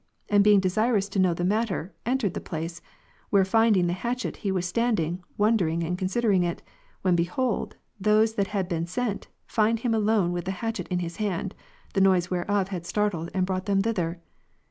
And being desirous to know the matter, entered the place ; where find ing the hatchet, he was standing, wondering and considering it, when behold, those that had been sent, find him alone with the hatchet in his hand, the noise whereof had startled and brought them thither.